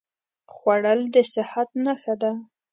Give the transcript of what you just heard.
خوړل د صحت نښه ده